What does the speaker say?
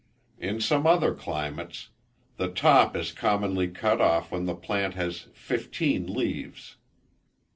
In some other climates the top is commonly cut off when the plant has fifteen leaves.